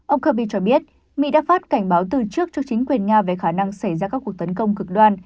ông kirby cho biết mỹ đã phát cảnh báo từ trước cho chính quyền nga về khả năng xảy ra các cuộc tấn công cực đoan